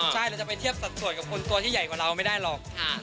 เราจะไปเทียบสัตว์ส่วนกับคนยัยกว่าเราไม่ได้หรอก